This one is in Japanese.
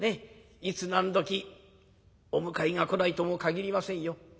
いつ何時お迎えが来ないとも限りませんよ。